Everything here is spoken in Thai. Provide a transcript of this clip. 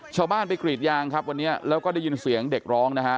ชาวบ้านไปกรีดยางครับวันนี้แล้วก็ได้ยินเสียงเด็กร้องนะฮะ